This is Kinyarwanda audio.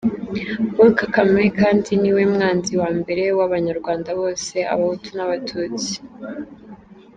Paul Kagame kandi niwe mwanzi wa mbere w’abanyarwanda bose abahutu n’abatutsi.